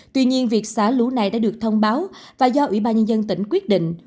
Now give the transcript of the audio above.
tuy nhiên việc xả lũ này đã được thông báo và do ủy ban nhân dân tỉnh quyết định